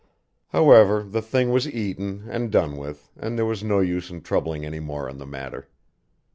However the thing was eaten and done with and there was no use in troubling any more on the matter.